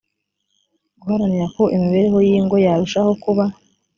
guharanira ko imibereyo y ingo yarushaho kuba